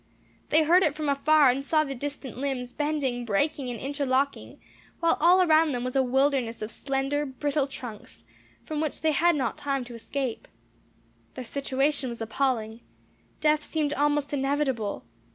They heard it from afar, and saw the distant limbs bending, breaking, and interlocking, while all around them was a wilderness of slender, brittle trunks, from which they had not time to escape. Their situation was appalling. Death seemed almost inevitable.